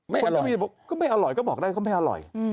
ไม่อร่อยก็ไม่อร่อยก็บอกได้ว่าเขาไม่อร่อย